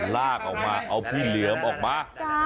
ลากออกมาเอาพี่เหลือมออกมา